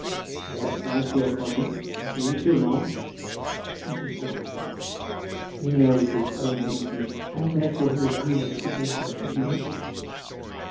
"Yes, I feel for him, and for you too, ma'am." "That is all I meant. He knows his own innocence, and therefore he is unwilling to give way in anything."